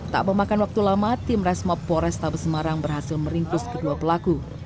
tak memakan waktu lama tim resmo pores tabesemarang berhasil meringkus kedua pelaku